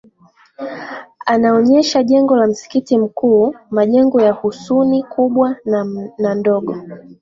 anaonyesha jengo la msikiti mkuu majengo ya Husuni kubwa na ndogo